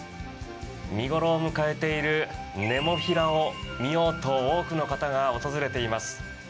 見頃を迎えているネモフィラを見ようと多くの方が訪れています。